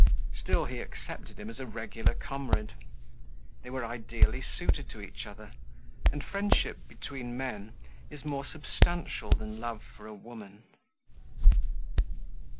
Still, he accepted him as a regular comrade. They were ideally suited to each other and friendship between men is more substantial than love for a woman.